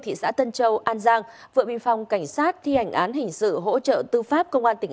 thị xã tân châu an giang vừa bị phòng cảnh sát thi hành án hình sự hỗ trợ tư pháp công an tỉnh